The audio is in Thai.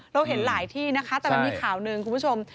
เราเห็นหลายที่นะคะแต่มันมีข่าวหนึ่งคุณผู้ชม